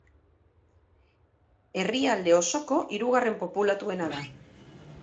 Herrialde osoko hirugarren populatuena da.